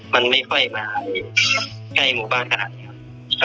มันไม่ค่อยมาอยู่ใกล้หมู่บ้านขนาดนี้ครับ